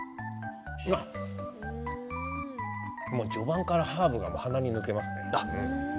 序盤からハーブが鼻に抜けていきます。